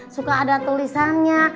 suka ada tulisannya